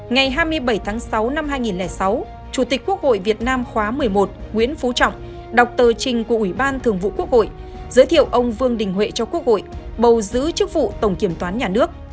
ngày hai mươi bảy tháng sáu năm hai nghìn sáu chủ tịch quốc hội việt nam khóa một mươi một nguyễn phú trọng đọc tờ trình của ủy ban thường vụ quốc hội giới thiệu ông vương đình huệ cho quốc hội bầu giữ chức vụ tổng kiểm toán nhà nước